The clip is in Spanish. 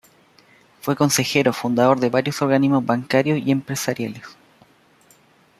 Fue Consejero Fundador de varios organismos bancarios y empresariales.